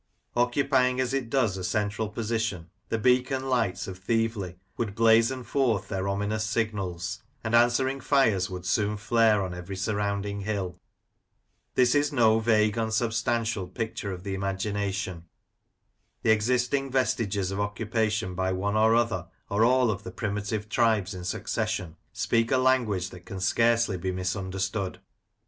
Occupying, as it does, a central position, the beacon lights of Thieveley would blazon forth their ominous signals, and answering fires would soon flare on every surrounding hilL This is no vague unsubstantial picture of the imagination ; the existing vestiges of occupation by one or other, or all of the primitive tribes in succession, speak a language that can scarcely be misunderstood.